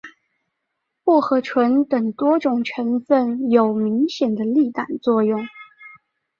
薄荷醇等多种成分有明显的利胆作用。